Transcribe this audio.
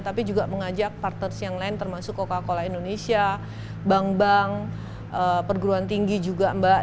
tapi juga mengajak partners yang lain termasuk coca cola indonesia bank bank perguruan tinggi juga mbak